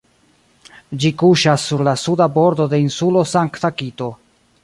Ĝi kuŝas sur la suda bordo de Insulo Sankta-Kito.